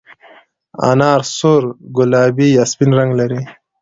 انار سور، ګلابي یا سپین رنګ لري.